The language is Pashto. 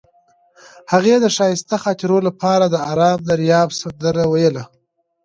هغې د ښایسته خاطرو لپاره د آرام دریاب سندره ویله.